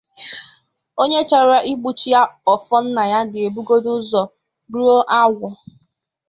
Onye chọrọ igbuchi ọfọ nna ya ga-ebugodi ụzọ rụọ agwụ